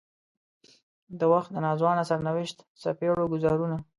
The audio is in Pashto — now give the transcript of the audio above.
د وخت د ناځوانه سرنوشت څپېړو ګوزارونه.